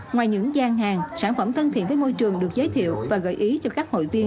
ngoài những gian hàng sản phẩm thân thiện với môi trường được giới thiệu và gợi ý cho các hội viên